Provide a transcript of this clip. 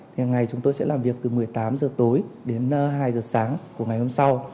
ngày hôm nay chúng tôi sẽ làm việc từ một mươi tám h tối đến hai h sáng của ngày hôm sau